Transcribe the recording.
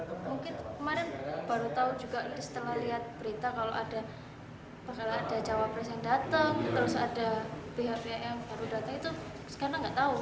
terus ada pihak pihak yang baru datang itu sekarang tidak tahu